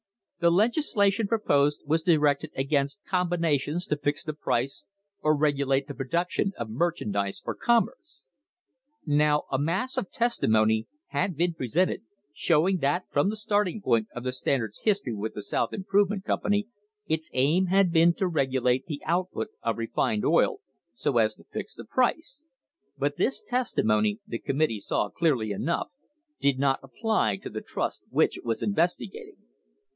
The legislation proposed was directed against "combinations to fix the price or regulate the production of merchandise or commerce." Now a mass of testimony had been presented showing that, from the starting point of the Standard's history with the South Improvement Company, its aim has been to regulate the out put of refined oil so as to fix the price, but this testimony, the committee saw clearly enough, did not apply to the trust which it was investigating.